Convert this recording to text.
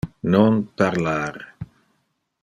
Non parlar.